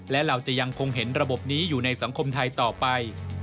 และเราจะยังคงเห็นระบบนี้อยู่ในสังคมไทยต่อไป